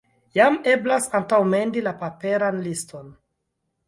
Jam eblas antaŭmendi la paperan liston.